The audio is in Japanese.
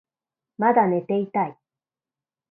まだ寝ていたい